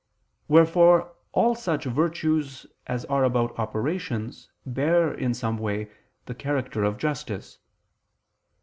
Wherefore all such virtues as are about operations, bear, in some way, the character of justice.